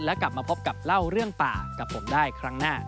แล้วกลับมาพบกับเล่าเรื่องป่ากับผมได้ครั้งหน้า